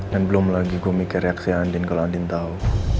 dan belum lagi gue mikir reaksi andien kalau andien tau